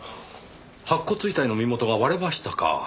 白骨遺体の身元が割れましたか！